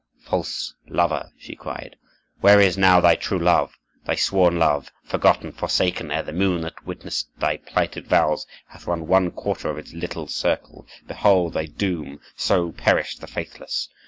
"False lover!" she cried, "where is now thy true love, thy sworn love? Forgotten, forsaken, ere the moon that witnessed thy plighted vows hath run one quarter of its little circle. Behold thy doom! So perish the faithless!"